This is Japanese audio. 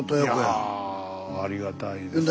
いやありがたいですね。